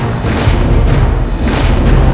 atau tentang kakaknya